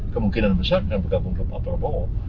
kemungkinan besar akan bergabung dengan pak prabowo